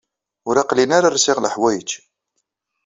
Ur aql-in ara rsiɣ leḥwayeǧ.